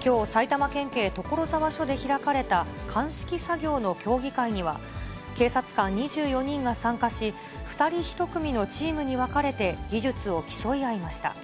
きょう、埼玉県警所沢署で開かれた鑑識作業の競技会には、警察官２４人が参加し、２人１組のチームに分かれて技術を競い合いました。